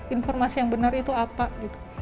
informasi yang benar itu apa gitu